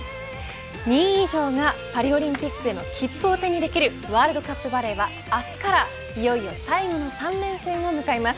２位以上がパリオリンピックの切符を手にできるワールドカップバレーは明日からいよいよ最後の３連戦を迎えます。